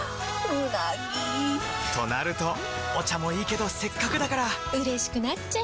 うなぎ！となるとお茶もいいけどせっかくだからうれしくなっちゃいますか！